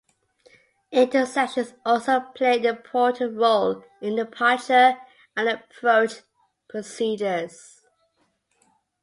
Intersections also play an important role in departure and approach procedures.